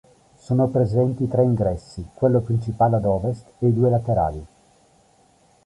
Sono presenti tre ingressi: quello principale ad ovest e i due laterali.